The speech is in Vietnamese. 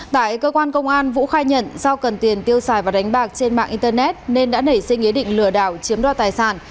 tại cơ quan công an vũ khai nhận do cần tiền tiêu xài và đánh bạc trên mạng internet nên đã nảy sinh ý định lừa đảo chiếm đoạt tài sản